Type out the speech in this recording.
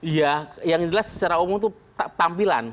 ya yang jelas secara umum itu tampilan